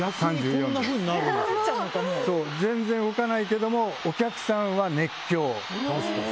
全然動かないけどもお客さんは熱狂。